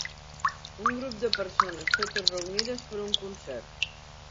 Un grup de persones totes reunides per un concert.